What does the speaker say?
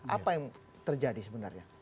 apa yang terjadi sebenarnya